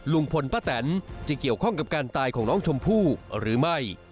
ลุงพลป้าแตนจะเกี่ยวข้องกับการตายของน้องชมพู่หรือไม่